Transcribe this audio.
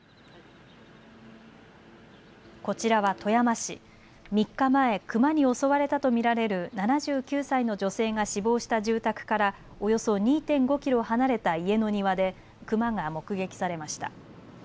こちらは富山市３日前、熊に襲われたと見られる７９歳の女性が死亡した住宅からおよそ２．５キロ離れた家の庭で熊が目撃されました。